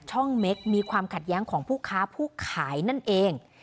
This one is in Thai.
ช่องเม็กมีความขัดแย้งของผู้ค้าผู้ขายนั่นเอง